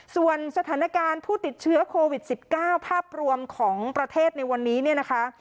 ส่วนสถานการณ์ผู้ติดเชื้อโควิด๑๙ภาพรวมของประเทศในวันนี้เนี่ยนะคะ